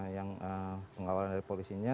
yang pengawalan dari polisinya